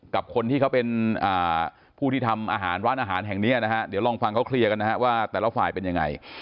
กับคนที่เขาเป็นผู้ที่ทำอาหารร้านอาหารแห่งนี้นะฮะเดี๋ยวลองฟังเขาเคลียร์กันนะฮะว่าแต่ละฝ่ายเป็นยังไง